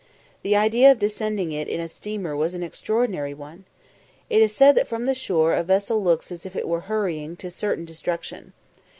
The idea of descending it in a steamer was an extraordinary one. It is said that from the shore a vessel looks as if it were hurrying to certain destruction.